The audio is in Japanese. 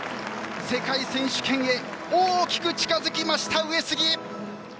世界選手権へ大きく近づきました、上杉。